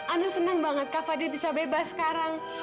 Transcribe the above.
anak senang banget kak fadil bisa bebas sekarang